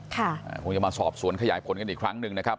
คงจะมาสอบสวนขยายผลกันอีกครั้งหนึ่งนะครับ